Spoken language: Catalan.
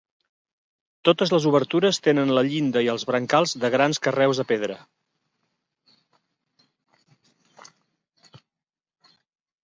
Totes les obertures tenen la llinda i els brancals de grans carreus de pedra.